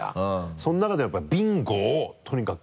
その中ではやっぱりビンゴをとにかく。